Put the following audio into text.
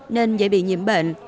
nên dễ bị nhiễm bệnh